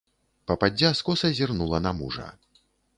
Пападдзя скоса зірнула на мужа.